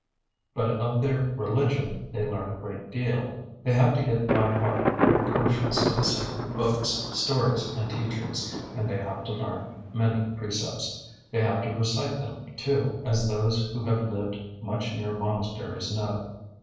But of their religion they learn a great deal. They have to get by heart great portions of the sacred books, stories and teachings, and they have to learn many precepts. They have to recite them, too, as those who have lived much near monasteries know.